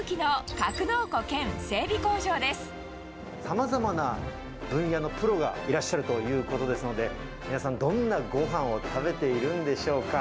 さまざまな分野のプロがいらっしゃるということですので、皆さん、どんなごはんを食べているんでしょうか。